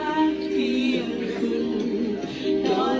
แต่พ่อเขาคนจัดเชียงเศร้า